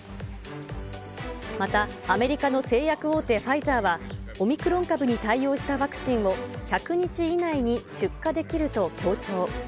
またアメリカの製薬大手、ファイザーは、オミクロン株に対応したワクチンを１００日以内に出荷できると強調。